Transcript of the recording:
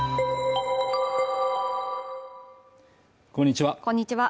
こんにちは